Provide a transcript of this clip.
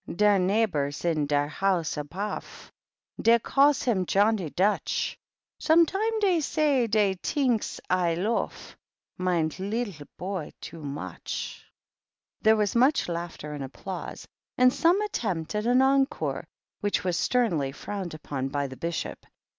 Der neighbor in der house ahofj Defy calls him Johnny Dutch; Some time dey say dey tinks I hfe Mein leedle boy too much^ There was much laughter and applause, and some attempt at an encore, which was sternly frowned upon by the Bishop.